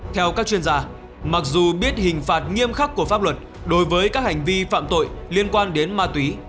theo các chuyên gia mặc dù biết hình phạt nghiêm khắc của pháp luật đối với các hành vi phạm tội liên quan đến ma túy